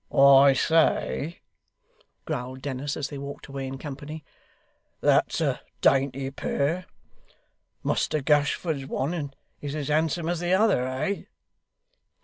'I say,' growled Dennis, as they walked away in company, 'that's a dainty pair. Muster Gashford's one is as handsome as the other, eh?